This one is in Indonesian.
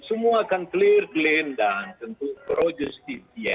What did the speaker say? semua akan clear clean dan tentu projustif